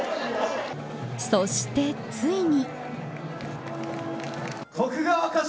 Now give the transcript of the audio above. そして、ついに。